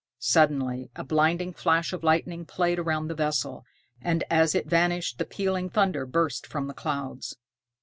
Suddenly, a blinding flash of lightning played around the vessel, and as it vanished the pealing thunder burst from the clouds.